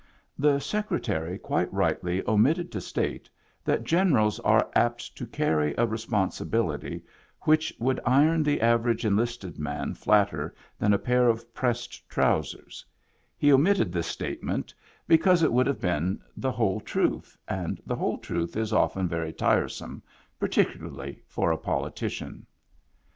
The Secretary quite rightly omitted to state that generals are apt to carry a responsibility which would iron the aver age enlisted man flatter than a pair of pressed trousers; he omitted this statement because it Digitized by Google IN THE BACK 91 would have been the whole truth, and the whole truth is often very tiresome, particularly for a poli tician.